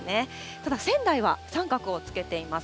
ただ、仙台は三角をつけています。